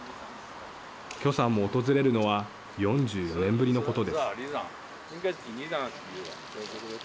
許さんも訪れるのは４４年ぶりのことです。